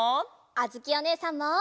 あづきおねえさんも。